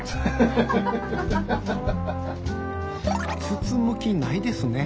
包む気ないですね。